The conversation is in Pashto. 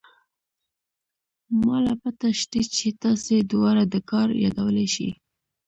ما له پته شتې چې تاسې دواړه دا كار يادولې شې.